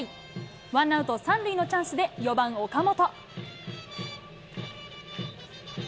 ワンアウト３塁のチャンスで４番岡本。